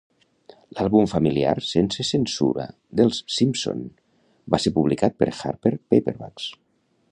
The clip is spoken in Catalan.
"L'àlbum familiar sense censura dels Simpson" va ser publicat per Harper Paperbacks.